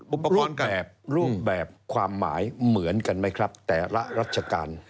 อุปกรณ์แบบรูปแบบความหมายเหมือนกันไหมครับแต่ละรัชการ